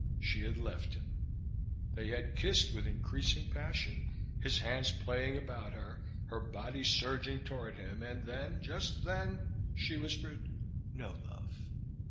She had left him. They had kissed with increasing passion, his hands playing about her, her body surging toward him, and then, just then, she whispered, "No, love."